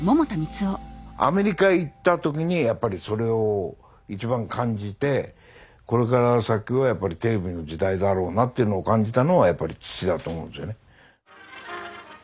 アメリカ行った時にやっぱりそれを一番感じてこれから先はやっぱりテレビの時代だろうなっていうのを感じたのはやっぱり父だと思うんですよね。